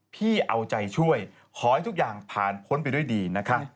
พี่อาจารย์ช่วยขอให้ทุกอย่างผลไปด้วยดีนะคะ